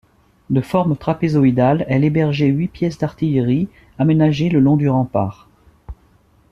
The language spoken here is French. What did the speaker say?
De forme trapézoïdale, elle hébergeait huit pièces d'artillerie aménagées le long du rempart.